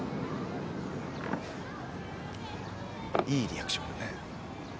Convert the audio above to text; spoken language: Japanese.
いいリアクションだね。